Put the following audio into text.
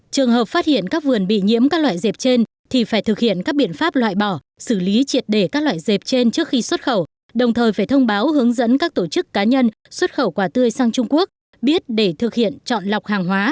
trường hợp phát hiện các vườn bị nhiễm các loại dẹp trên thì phải thực hiện các biện pháp loại bỏ xử lý triệt để các loại dẹp trên trước khi xuất khẩu đồng thời phải thông báo hướng dẫn các tổ chức cá nhân xuất khẩu quả tươi sang trung quốc biết để thực hiện chọn lọc hàng hóa